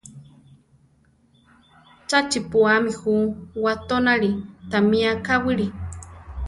¡Cha chiʼpúami ju watónali! Támi akáwili!